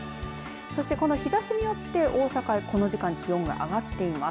そして、この日ざしによって大阪この時間気温が上がっています。